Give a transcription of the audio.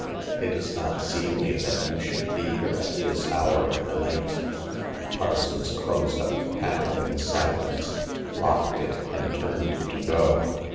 it is not seemly that you should be here at this hour of the night." Parsons closed up the panel in silence, locked it, and turned to go.